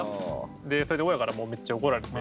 それで親からもうめっちゃ怒られて。